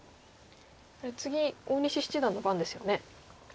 これ次大西七段の番ですよね？